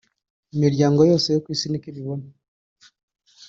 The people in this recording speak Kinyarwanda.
imiryango yose yo ku isi niko ibibona